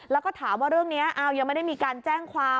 แล้วก็ถามว่าเรื่องนี้ยังไม่ได้มีการแจ้งความ